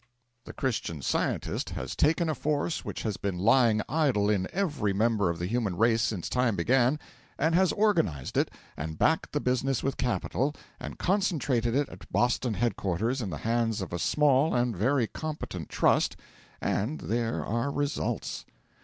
The Christian Scientist has taken a force which has been lying idle in every member of the human race since time began, and has organised it, and backed the business with capital, and concentrated it at Boston headquarters in the hands of a small and very competent Trust, and there are results.